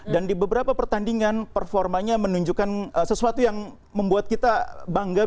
di beberapa pertandingan performanya menunjukkan sesuatu yang membuat kita bangga